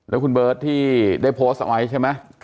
แล้วคุณเบิร์ตที่ได้โพสต์เอาไว้ใช่ไหม